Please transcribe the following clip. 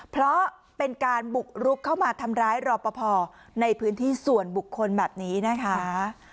เพราะเป็นการบุกรุกเข้ามาทำร้ายรอปภในพื้นที่ส่วนบุคคลแบบนี้นะคะ